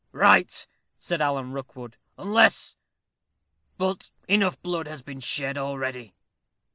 "Right," said Alan Rookwood, "unless but enough blood has been shed already."